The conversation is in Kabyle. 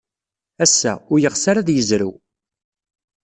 Ass-a, ur yeɣs ara ad yezrew.